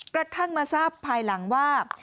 กระทั่งมาทราบภายหลังว่า